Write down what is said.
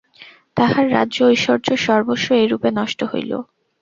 তাঁহার রাজ্য, ঐশ্বর্য সর্বস্ব এইরূপে নষ্ট হইল।